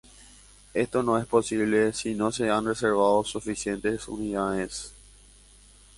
Esto no es posible si no se han reservado suficientes unidades.